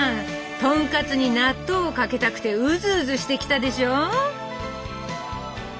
とんかつに納豆をかけたくてうずうずしてきたでしょう？